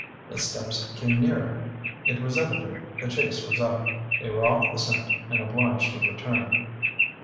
The steps came nearer. It was evident the chase was up; they were off the scent and obliged to return.